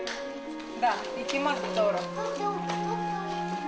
じゃあ行きます。